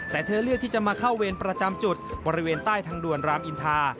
แต่เธอเลือกที่จะมาเข้าเวรประจำจุดบริเวณใต้ทางด่วนรามอินทา